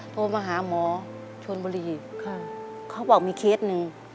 โทรมาหาหมอชนบุรีเขาบอกมีเคสหนึ่ง